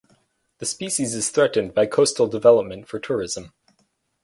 The species is threatened by coastal development for tourism.